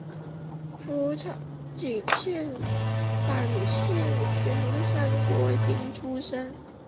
福井县坂井郡三国町出身。